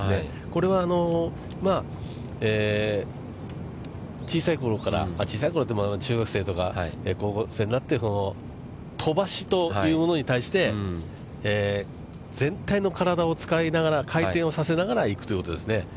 これは、小さいころから、小さいころっていうか、中学生とか高校生になって、飛ばしというものに対して全体の体を使いながら、回転をさせながら行くということですね。